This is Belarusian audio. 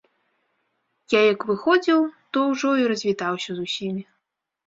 Я як выходзіў, то ўжо і развітаўся з усімі.